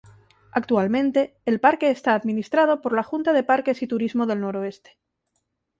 Actualmente, el parque está administrado por la Junta de Parques y Turismo del Noroeste.